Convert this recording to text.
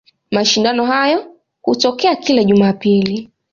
Mashindano hayo hutokea kila Jumapili.